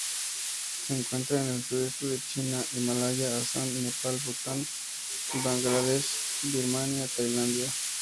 Se encuentran en el sudeste de China, Himalaya, Assam, Nepal, Bután, Bangladesh, Birmania, Tailandia.